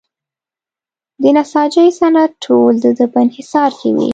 د نساجۍ صنعت ټول د ده په انحصار کې وي.